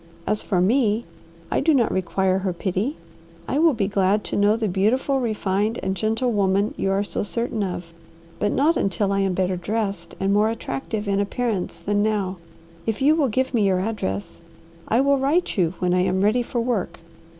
As for me, I do not require her pity. I will be glad to know the beautiful, refined, and gentle woman you are so certain of, but not until I am better dressed and more attractive in appearance than now. If you will give me your address, I will write you when I am ready for work."